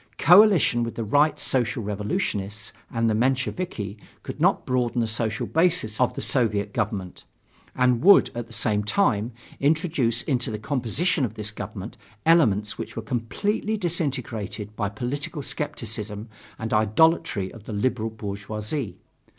Coalition with the Right Social Revolutionists and the Mensheviki could not broaden the social basis of the Soviet government; and would, at the same time, introduce into the composition of this government elements which were completely disintegrated by political skepticism and idolatry of the liberal bourgeoisie.